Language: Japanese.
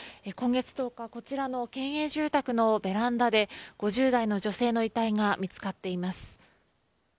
今月１０日こちらの県営住宅のベランダで５０代の女性の遺体が見つかっています。